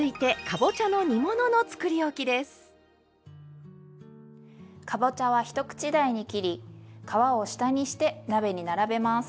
かぼちゃは一口大に切り皮を下にして鍋に並べます。